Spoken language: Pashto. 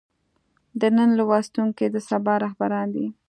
د نن لوستونکي د سبا رهبران دي.